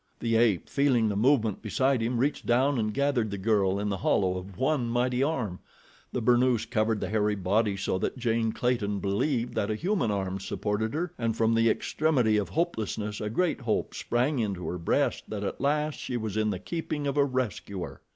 The ape, feeling the movement beside him, reached down and gathered the girl in the hollow of one mighty arm. The burnoose covered the hairy body so that Jane Clayton believed that a human arm supported her, and from the extremity of hopelessness a great hope sprang into her breast that at last she was in the keeping of a rescuer.